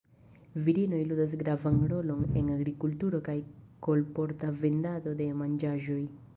Virinoj ludas gravan rolon en agrikulturo kaj kolporta vendado de manĝaĵoj.